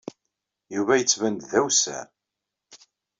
Yuba yettban-d d awessar.